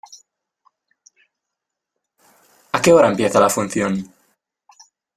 ¿A qué hora empieza la función?